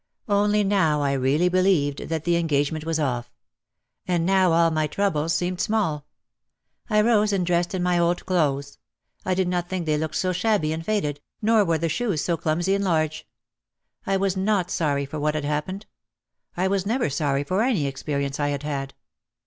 Only now I really believed that the engagement was off. And now all my troubles seemed small. I rose and dressed in my old clothes. I did not think they looked so shabby and faded, nor were the shoes so clumsy and large. I was not sorry for what had happened. I was never sorry for any experience I had had.